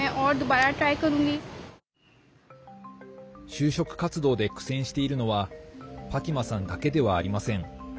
就職活動で苦戦しているのはファティマさんだけではありません。